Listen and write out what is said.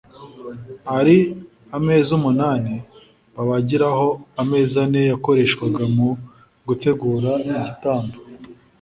Ari ameza umunani babagiragaho ameza ane yakoreshwaga mu gutegura igitambo